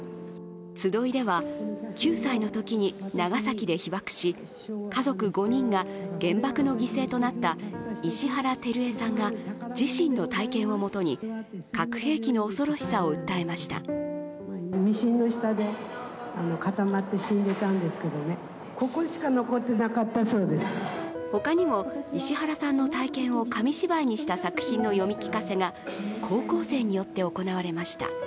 集いでは、９歳のときに長崎で被爆し、家族５人が原爆の犠牲となった石原照枝さんが自身の体験をもとに核兵器の恐ろしさを訴えました他にも石原さんの体験を紙芝居にした作品の読み聞かせが高校生によって行われました。